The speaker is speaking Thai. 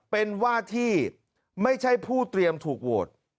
เป็นว่าที่ไม่ใช่ผู้เตรียมถูกโหวต